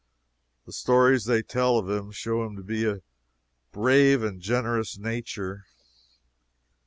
The stories they tell of him show him to be of a brave and generous nature.